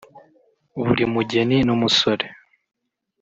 Buri mugeni n’umusore